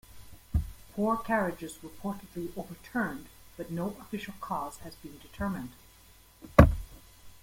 Four carriages reportedly overturned, but no official cause has been determined.